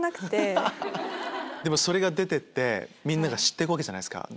でもそれが出てってみんなが知ってくじゃないですか。